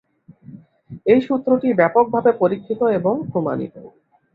এই সূত্রটি ব্যাপকভাবে পরীক্ষিত এবং প্রমাণিত।